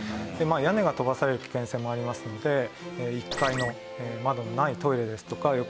屋根が飛ばされる危険性もありますので１階の窓のないトイレですとか浴室に移動すると。